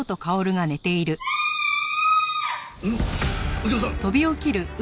右京さん！